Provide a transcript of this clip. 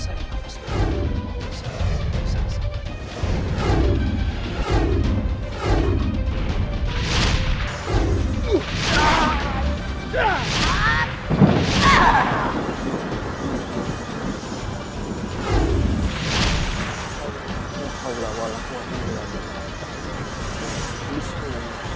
siapa ada di belakangmu